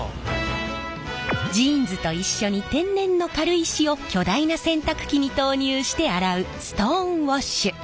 ジーンズと一緒に天然の軽石を巨大な洗濯機に投入して洗うストーンウォッシュ。